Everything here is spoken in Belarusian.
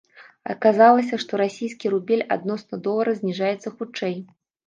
Аказалася, што расійскі рубель адносна долара зніжаецца хутчэй.